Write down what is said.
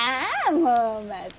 もうまた！